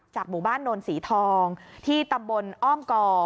หมู่บ้านโนนสีทองที่ตำบลอ้อมก่อ